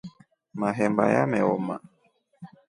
Mahemba yameoma.